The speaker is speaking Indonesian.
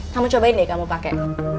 kamu cobain nih kamu pakai